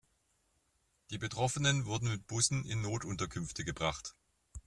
Die Betroffenen wurden mit Bussen in Notunterkünfte gebracht.